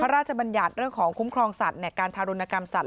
พระราชบัญญัติเรื่องของคุ้มครองสัตว์แหน่กการทารุณกรรมสัตว์